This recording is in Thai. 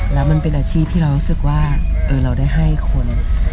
แล้วมันเป็นอาชีพที่เรารู้สึกว่าเราได้ให้คน